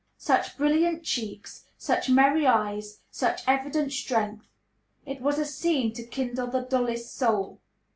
Such brilliant cheeks, such merry eyes, such evident strength; it was a scene to kindle the dullest soul.